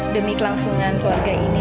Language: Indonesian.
demi kelangsungan keluarga ini